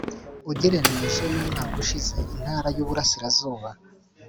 Ugereranyije n umwaka ushize Intara y Uburasirazuba